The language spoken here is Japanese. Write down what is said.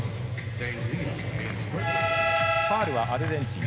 ファウルはアルゼンチン。